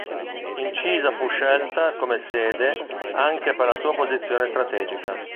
Incisa fu scelta come sede anche per la sua posizione strategica.